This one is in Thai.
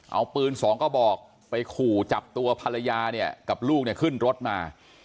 เอาปืนสองกระบอกไปขู่จับตัวภรรยาเนี่ยกับลูกเนี่ยขึ้นรถมา